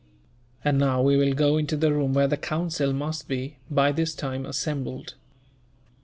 "And now we will go into the room where the Council must be, by this time, assembled."